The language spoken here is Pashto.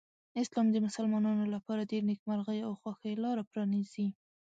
اسلام د مسلمانانو لپاره د نېکمرغۍ او خوښۍ لاره پرانیزي.